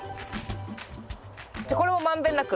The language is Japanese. じゃこれを満遍なく？